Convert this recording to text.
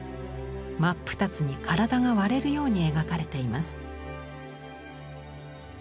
真っ二つに体が割れるように描かれています。